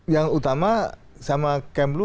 yang utama sama kemblu